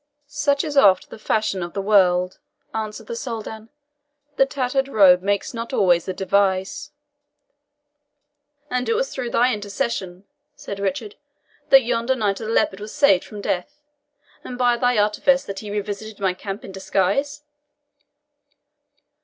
"Such is oft the fashion of the world," answered the Soldan; "the tattered robe makes not always the dervise." "And it was through thy intercession," said Richard, "that yonder Knight of the Leopard was saved from death, and by thy artifice that he revisited my camp in disguise?"